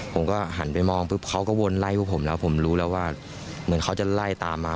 ผมก็หันไปมองปุ๊บเขาก็วนไล่พวกผมแล้วผมรู้แล้วว่าเหมือนเขาจะไล่ตามมา